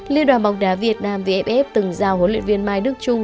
liên đoàn bóng đá việt nam vff từng giao huấn luyện viên mai đức trung